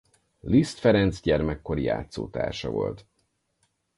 Liszt Ferenc gyermekkori játszótársa volt.